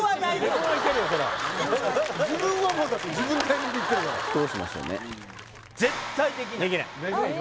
自分はもうだって自分のタイミングでいけるからどうしましょうねできない